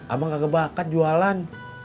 abang kagak bakat jualan